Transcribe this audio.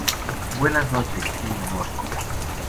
Buenas noches, mi amor